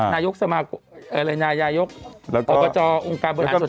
นายกสมาโยประจออันสุธวัศน์